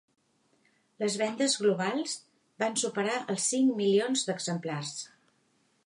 Les vendes globals van superar els cinc milions d'exemplars.